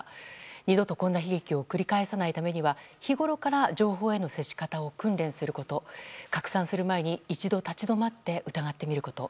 二度とこんな悲劇を繰り返さないためには日ごろから情報への接し方を訓練すること拡散する前に一度立ち止まって疑ってみること。